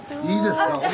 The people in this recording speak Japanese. いいですか？